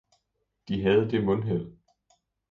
De havde det mundheld.